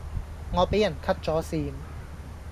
我俾人 cut 左線